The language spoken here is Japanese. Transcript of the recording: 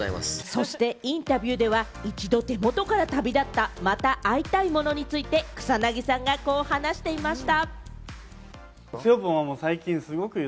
そしてインタビューでは１度手元から旅立った、「また会いたいもの」について草なぎさんが、こう話していました。